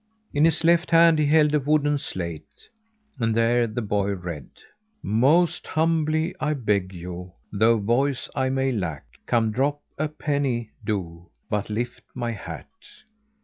In his left hand he held a wooden slate, and there the boy read: _Most humbly I beg you, Though voice I may lack: Come drop a penny, do; But lift my hat!